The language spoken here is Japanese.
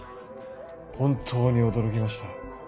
本当に驚きました。